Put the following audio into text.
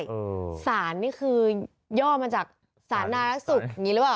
ถามอย่างนี้สารนี้คือย่อมาจากสารนารักษัตริย์ศุกร์ไงเลยนะ